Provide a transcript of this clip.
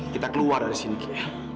kita keluar dari sini